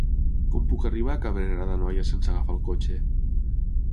Com puc arribar a Cabrera d'Anoia sense agafar el cotxe?